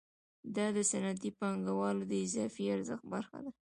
دا د صنعتي پانګوال د اضافي ارزښت برخه ده